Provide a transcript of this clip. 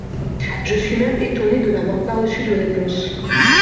Je suis même étonné de n’avoir pas reçu de réponse.